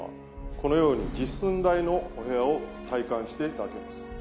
このように実寸大のお部屋を体感していただけます。